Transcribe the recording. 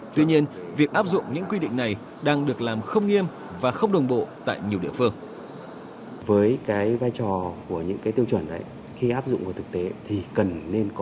tuy nhiên việc áp dụng những quy định này đang được làm không nghiêm và không đồng bộ tại nhiều địa phương